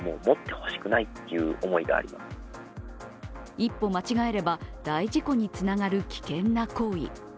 一歩間違えれば大事故につながる危険な行為。